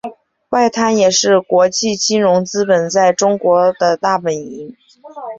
外滩也是国际金融资本在中国的大本营。